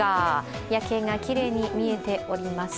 夜景がきれいに見えております。